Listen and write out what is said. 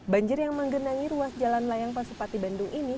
banjir yang menggenangi ruas jalan layang pasupati bandung ini